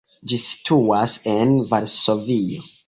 Ĝi situas en Varsovio.